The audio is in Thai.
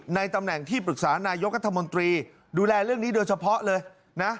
ตำแหน่งที่ปรึกษานายกรัฐมนตรีดูแลเรื่องนี้โดยเฉพาะเลยนะ